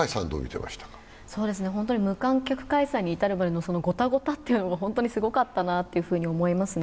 無観客開催に至るまでのごたごたが本当にすごかったなと思いますね。